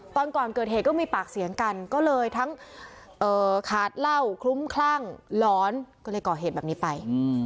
ตอนก่อนเกิดเหตุก็มีปากเสียงกันก็เลยทั้งขาดเหล้าคลุ้มคลั่งหลอนก็เลยก่อเหตุแบบนี้ไป